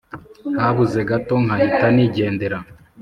Habuze gato nkahita nigendera